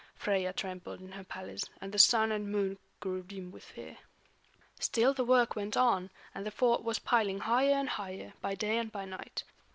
Freia trembled in her palace, and the Sun and Moon grew dim with fear. Still the work went on, and the fort was piling higher and higher, by day and by night.